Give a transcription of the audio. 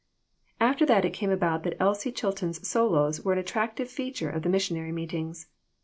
After that it came about that Elsie Chilton's solos were an attractive feature of the missionary meetings.